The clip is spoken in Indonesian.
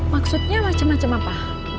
maksudnya macem macem apa